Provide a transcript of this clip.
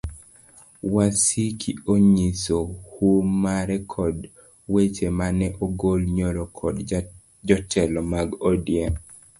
Wasiki onyiso hum mare kod weche mane ogol nyoro kod jotelo mag odm